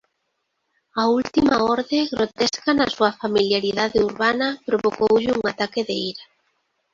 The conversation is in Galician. A última orde, grotesca na súa familiaridade urbana, provocoulle un ataque de ira.